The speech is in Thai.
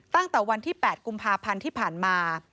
ตั้งแต่วันที่๘กุมภาพันธ์ที่ผ่านมา